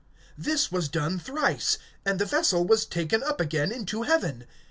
(16)This was done thrice; and the vessel was taken up again into heaven.